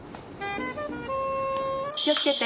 気をつけて。